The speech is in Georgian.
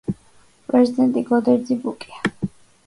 პრეზიდენტი გოდერძი ბუკია.